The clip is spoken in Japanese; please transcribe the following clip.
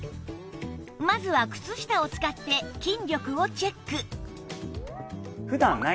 まずは靴下を使って筋力をチェック